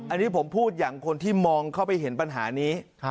อันนี้ผมพูดอย่างคนที่มองเข้าไปเห็นปัญหานี้